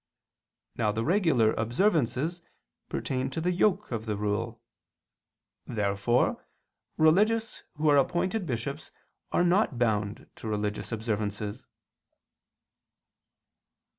Now the regular observances pertain to the yoke of the rule. Therefore religious who are appointed bishops are not bound to religious observances.